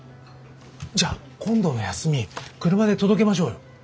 じゃあ今度の休み車で届けましょうよ。